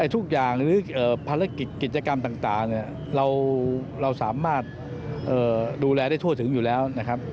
ทุกอย่างหรือภารกิจกิจกรรมต่างเราสามารถดูแลได้ทั่วถึงอยู่แล้วนะครับ